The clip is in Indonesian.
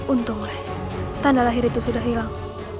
untunglah tanda lahir itu sudah hilang